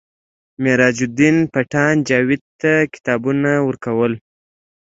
میراج الدین پټان جاوید ته کتابونه ورکول